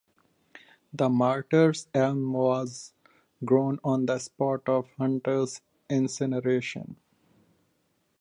The Martyr's Elm was grown on the spot of Hunter's incineration.